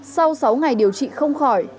sau sáu ngày điều trị không khỏi